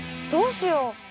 どうしよう？